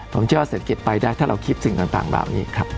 ผมเชื่อว่าเศรษฐกิจไปได้ถ้าเราคิดสิ่งต่างเหล่านี้ครับ